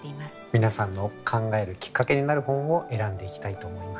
皆さんの考えるきっかけになる本を選んでいきたいと思います。